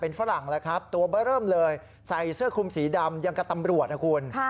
ฝรั่งแล้วครับตัวเบอร์เริ่มเลยใส่เสื้อคุมสีดำยังกับตำรวจนะคุณ